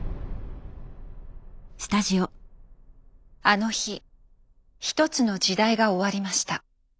あの日一つの時代が終わりました。